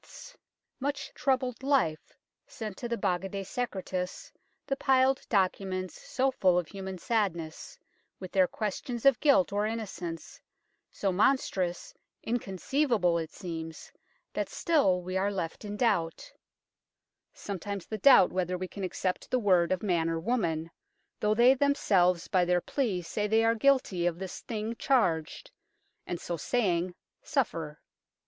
's much troubled life sent to the Baga de Secretis the piled documents so full of human sadness, with their questions of guilt or innocence, so monstrous inconceivable, it seems that still we are left in doubt ; sometimes the doubt whether we can accept the word of man or woman, though they themselves by their plea say they are guilty of this thing charged, and, so saying, suffer.